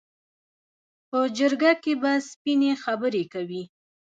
په جرګه کې به سپینې خبرې کوي.